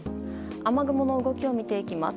雨雲の動きを見ていきます。